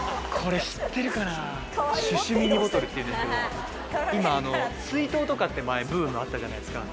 これ、シュシュミニボトルっていうんですけど、水筒とかって、前にブームあったじゃないですか。